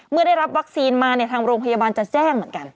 เมื่อได้รับวัคซีนมาเนี่ยทางโรงพยาบาลจะแจ้งเหมือนกัน